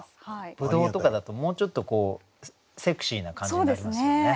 ぶどうとかだともうちょっとセクシーな感じになりますよね。